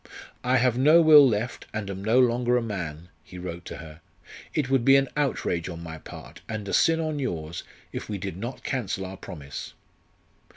"I have no will left, and am no longer a man," he wrote to her. "It would be an outrage on my part, and a sin on yours, if we did not cancel our promise."